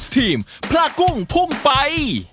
ทีมพระกุ้งพุ่งไป